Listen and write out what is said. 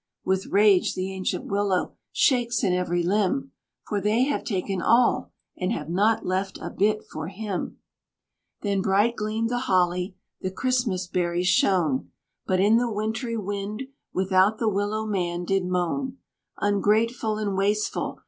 With rage the ancient Willow shakes in every limb, For they have taken all, and have not left a bit for him! Then bright gleamed the holly, the Christmas berries shone, But in the wintry wind without the Willow man did moan: "Ungrateful, and wasteful!